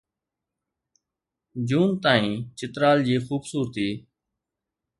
جون تائين چترال جي خوبصورتي